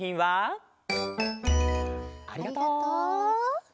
ありがとう。